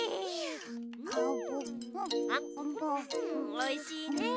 おいしいね！